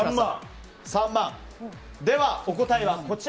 では、お答えはこちら。